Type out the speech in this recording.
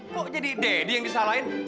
kok jadi deddy yang disalahin